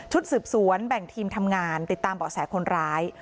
สืบสวนแบ่งทีมทำงานติดตามเบาะแสคนร้าย